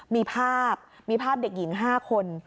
มีภาพเด็กหญิง๕คน